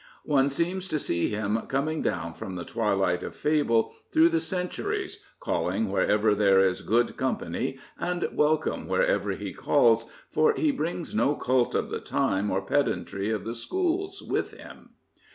One seems to see him coming down from the twilight of fable, through the centuries, calling wherever there is good company, and welcome wherever he calls, for he brings no cult of the time or pedantry of the schools with him.